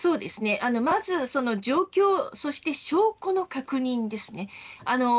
まず状況、そして証拠の確認です。